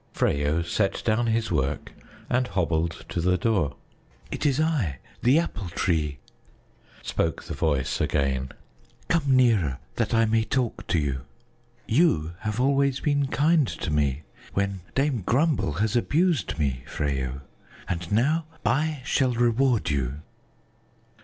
Freyo set down his work and hobbled to the door. "It is I, the Apple Tree," spoke the voice again; "come nearer that I may talk to you. You have always been kind to me, when Dame Grumble has abused me, Freyo, and now I shall reward you."